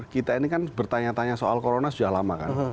kita ini kan bertanya tanya soal corona sudah lama kan